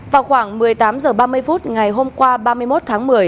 vào khoảng một mươi tám h ba mươi phút ngày hôm qua ba mươi một tháng một mươi